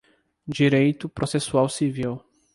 Direito processual civil